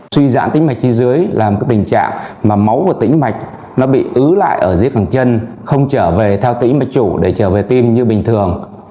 suy dãn tĩnh mạch chi dưới là một tình trạng mà máu của tĩnh mạch bị ứ lại ở dưới càng chân không trở về theo tĩnh mạch chủ để trở về tim như bình thường